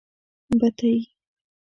بتۍ.